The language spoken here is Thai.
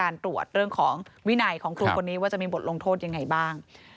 ตรวจเรื่องของวินัยของครูคนนี้ว่าจะมีบทลงโทษยังไงบ้าง